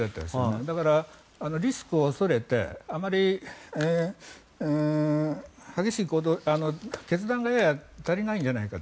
だから、リスクを恐れて激しい決断が足りないんじゃないかと。